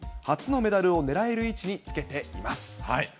初のメダルを狙える位置につけています。